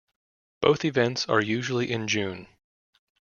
Both events are usually in June.